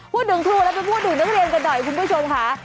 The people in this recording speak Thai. ครูแล้วไปพูดถึงนักเรียนกันหน่อยคุณผู้ชมค่ะ